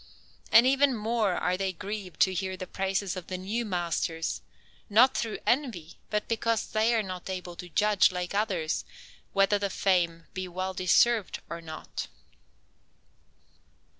And even more are they grieved to hear the praises of the new masters, not through envy, but because they are not able to judge, like others, whether that fame be well deserved or not.